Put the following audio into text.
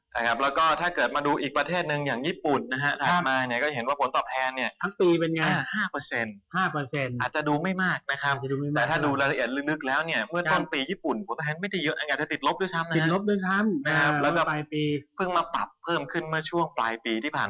ใช่ครับแล้วก็ถ้าเกิดมาดูอีกประเทศหนึ่งอย่างญี่ปุ่นนะฮะถัดมาเนี่ยก็เห็นว่าผลตอบแทนเนี่ยทั้งปีเป็นไง๕อาจจะดูไม่มากนะครับแต่ถ้าดูรายละเอียดลึกแล้วเนี่ยเมื่อต้นปีญี่ปุ่นผลแทนไม่ได้เยอะอาจจะติดลบด้วยซ้ำนะติดลบด้วยซ้ำนะครับแล้วก็ปลายปีเพิ่งมาปรับเพิ่มขึ้นเมื่อช่วงปลายปีที่ผ่าน